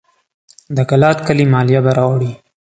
د کلات کلي مالیه به راوړي.